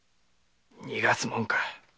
逃がすもんか！